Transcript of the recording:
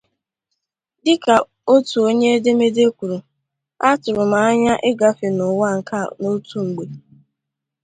Dịka otu onye edemede kwuru: “Atụrụ m anya ịgafe n’ụwa nke a n’otu mgbe